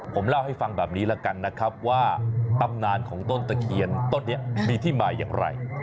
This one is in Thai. ผมเล่าให้ฟังแบบนี้แล้วกันนะครับว่าตำนานของต้นตะเคียนต้นนี้มีที่มาอย่างไร